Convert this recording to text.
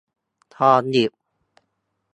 ทองหยิบ